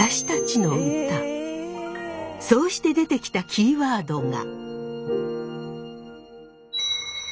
そうして出てきたキーワードが。